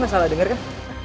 lo ga salah denger kan